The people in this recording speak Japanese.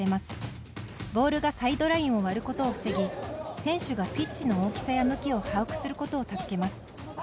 ボールがサイドラインを割ることを防ぎ選手がピッチの大きさや向きを把握することを助けます。